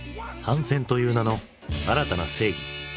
反戦という名の新たな正義。